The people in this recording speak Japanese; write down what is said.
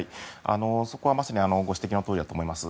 そこはまさにご指摘のとおりだと思います。